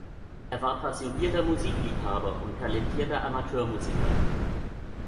Er war passionierter Musikliebhaber und talentierter Amateurmusiker.